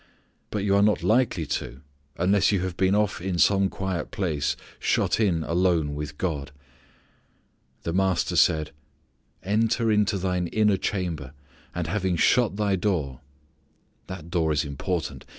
But you are not likely to unless you have been off in some quiet place shut in alone with God. The Master said: "Enter into thine inner chamber, and having shut thy door": that door is important.